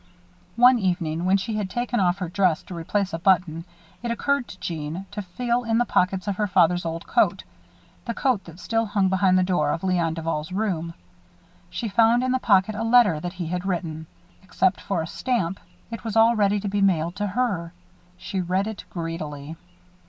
One evening, when she had taken off her dress to replace a button, it occurred to Jeanne to feel in the pockets of her father's old coat the coat that still hung behind the door of Léon Duval's room. She found in the pocket a letter that he had written. Except for a stamp, it was all ready to be mailed to her. She read it greedily.